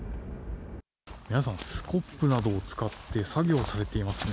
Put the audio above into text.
皆さんスコップなどを使って作業されていますね。